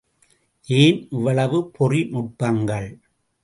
ஏன் இவ்வளவு பொறி நுட்பங்கள்?